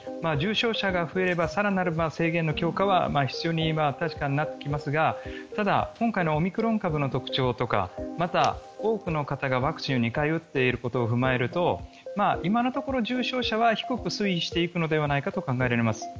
重症者が増えれば更なる制限の強化は必要に確かになってきますがただ今回のオミクロン株の特徴やまた、多くの方がワクチンを２回打っていることを踏まえると今のところ重症者は低く推移していくのではないかと考えられます。